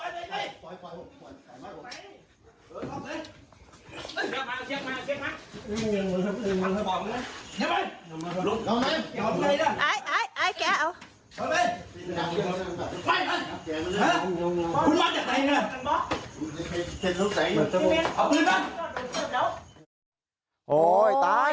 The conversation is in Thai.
เจ็ดลูกใส่